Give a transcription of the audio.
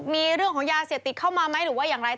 มีเรื่องของยาเสพติดเข้ามาไหมหรือว่าอย่างไร